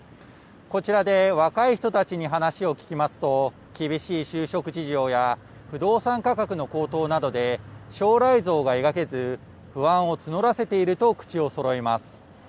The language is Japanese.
こちらで若い人たちに話を聞きますと、厳しい就職事情や、不動産価格の高騰などで、将来像が描けず、不安を募らせていると口をそろえます。